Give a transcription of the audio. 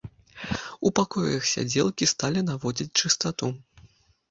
А ў пакоях сядзелкі сталі наводзіць чыстату.